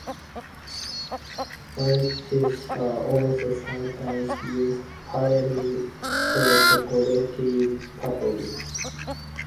Barrettes are also sometimes used purely for decorative purposes.